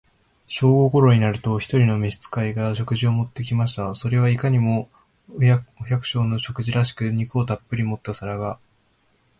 正午頃になると、一人の召使が、食事を持って来ました。それはいかにも、お百姓の食事らしく、肉をたっぶり盛った皿が、